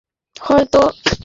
হয়তো কোথাও ঘুরতে গেছে।